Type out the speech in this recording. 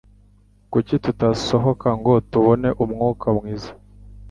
Kuki tutasohoka ngo tubone umwuka mwiza?